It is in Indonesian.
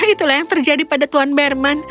itulah yang terjadi pada tuan berman